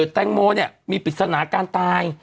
แตงโมมีปริศนาการตาย